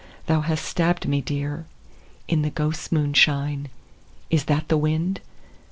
Thou hast stabbed me dear. In the ghosts' moonshine. Is that the wind